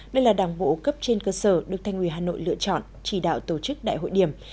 đây là đảng bộ cấp trên cơ sở được thành ủy hà nội lựa chọn chỉ đạo tổ chức đại hội điểm